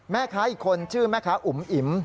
แม่ค้าอีกคนชื่อแม่ค้าอุ๋มอิ๋ม